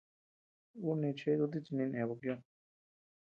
Uu neʼë cheʼe dutit chi ninee bpkioʼö.